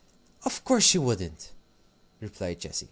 "Of course she wouldn't!" replied Cecy.